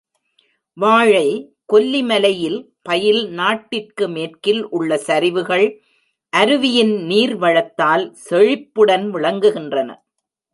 வாழை கொல்லி மலையில் பயில் நாட்டிற்கு மேற்கில் உள்ள சரிவுகள் அருவியின் நீர்வளத்தால் செழிப்புடன் விளங்குகின்றன.